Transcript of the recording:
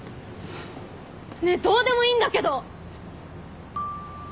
ねえどうでもいいんだけど！